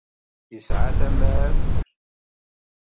Yesɛa tamart.